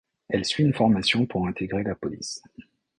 Elle suit une formation pour intégrer la police.